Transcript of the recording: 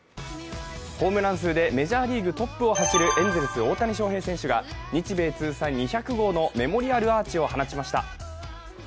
ホームラン数でメジャーリーグトップを走るエンゼルス、大谷翔平選手が日米通算２００号のメモリアルアーチを放ちました。